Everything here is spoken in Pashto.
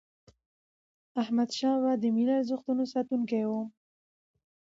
احمدشاه بابا د ملي ارزښتونو ساتونکی و.